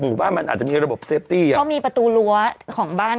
บ้านมันอาจจะมีระบบเซฟตี้อ่ะเขามีประตูรั้วของบ้าน